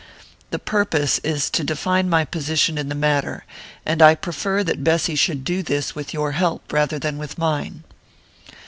"The purpose is to define my position in the matter; and I prefer that Bessy should do this with your help rather than with mine."